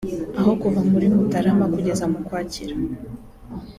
aho kuva muri Mutarama kugeza mu Ukwakira